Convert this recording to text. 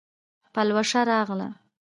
پلوشه راغله